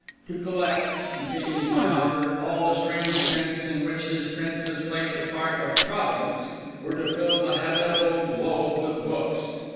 To collect, continues my author, _all the strange events in which this Prince has played the part of Providence were to fill the habitable globe with books_.